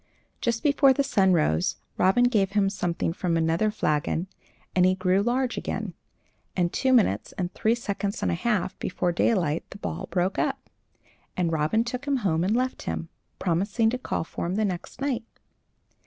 Just before the sun rose, Robin gave him something from another flagon, and he grew large again, and two minutes and three seconds and a half before daylight the ball broke up, and Robin took him home and left him, promising to call for him the next night.